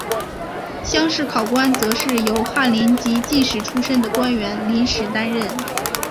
乡试考官则是由翰林及进士出身的官员临时担任。